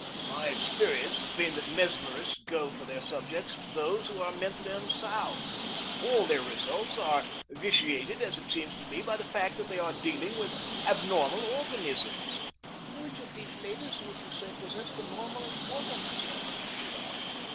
"My experience has been that mesmerists go for their subjects to those who are mentally unsound. All their results are vitiated, as it seems to me, by the fact that they are dealing with abnormal organisms." "Which of these ladies would you say possessed a normal organism?" she asked.